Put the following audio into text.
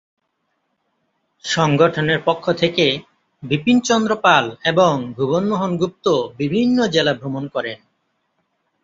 সংগঠনের পক্ষ থেকে বিপিনচন্দ্র পাল এবং ভুবনমোহন গুপ্ত বিভিন্ন জেলা ভ্রমণ করেন।